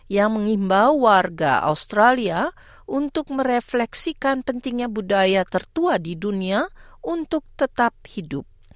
yang mengimbau warga australia untuk merefleksikan pentingnya budaya tertua di dunia untuk tetap hidup